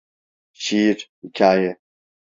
Şiir, hikâye!